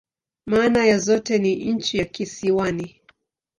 Maana ya zote ni "nchi ya kisiwani.